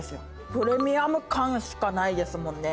プレミアム感しかないですもんね。